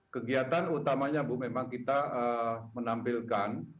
kegiatan utamanya bu memang kita menampilkan